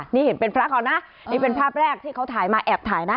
นี่เห็นเป็นพระเขานะนี่เป็นภาพแรกที่เขาถ่ายมาแอบถ่ายนะ